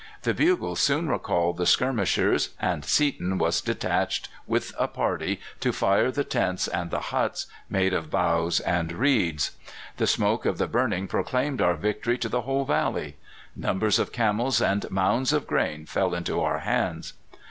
The bugle soon recalled the skirmishers, and Seaton was detached with a party to fire the tents and the huts, made of boughs and reeds. The smoke of the burning proclaimed our victory to the whole valley. Numbers of camels and mounds of grain fell into our hands.